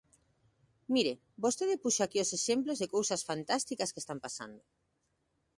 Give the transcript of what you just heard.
Mire, vostede puxo aquí os exemplos de cousas fantásticas que están pasando.